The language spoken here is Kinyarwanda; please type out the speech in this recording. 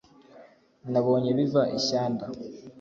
nabonye biva i shyanda,